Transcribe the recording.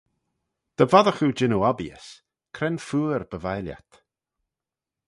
Dy voddagh oo jannoo obbeeys, cre'n phooar by vie lhiat?